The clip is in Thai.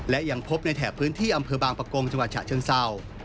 และยังพบในแถบพื้นที่อำเภอบางประกงจังหวัดฉะเชิงเศร้า